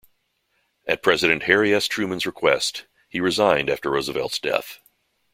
At President Harry S. Truman's request, he resigned after Roosevelt's death.